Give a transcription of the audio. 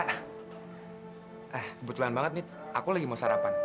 kebetulan banget nita aku lagi mau sarapan